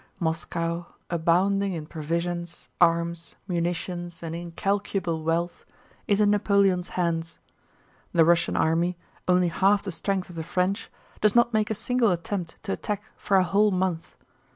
Moscow, abounding in provisions, arms, munitions, and incalculable wealth, is in Napoleon's hands. The Russian army, only half the strength of the French, does not make a single attempt to attack for a whole month.